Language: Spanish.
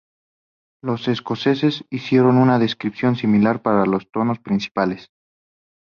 Los escoceses hicieron una descripción similar para los tonos principales.